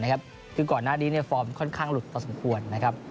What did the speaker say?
คือก่อนหน้านี้ฟอร์มค่อนข้างหลุดต่อสมควร